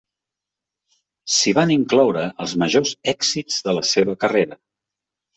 S'hi van incloure els majors èxits de la seva carrera.